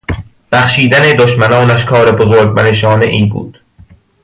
بخشیدن دشمنانش کار بزرگ منشانهای بود.